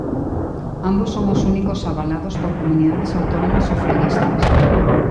Ambos son os únicos avalados por comunidades autónomas socialistas.